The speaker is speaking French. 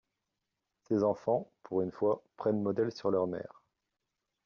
Ses enfants, pour une fois, prennent modèle sur leur mère.